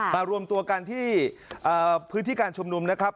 รวมตัวกันที่พื้นที่การชุมนุมนะครับ